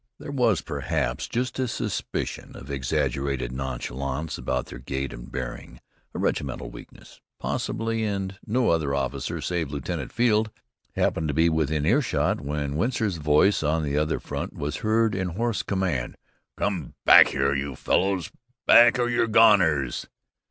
There was perhaps just a suspicion of exaggerated nonchalance about their gait and bearing a regimental weakness, possibly and no other officer save Lieutenant Field happened to be within earshot when Winsor's voice on the other front was heard in hoarse command: "Come back there, you fellows! Back or you're goners!"